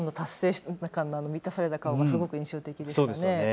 満たされた顔がすごく印象的でしたね。